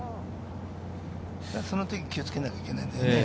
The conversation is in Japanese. その時、気をつけなきゃいけないんだよね。